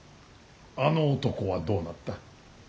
あの男はどうなった。